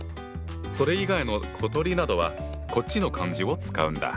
それ以外の小鳥などはこっちの漢字を使うんだ。